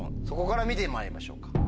そこから見てまいりましょうか。